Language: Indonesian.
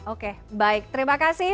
oke baik terima kasih